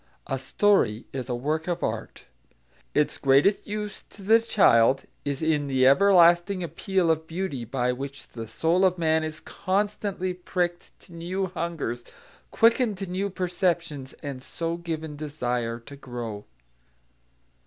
A story is a work of art. Its greatest use to the child is in the everlasting appeal of beauty by which the soul of man is constantly pricked to new hungers, quickened to new perceptions, and so given desire to grow.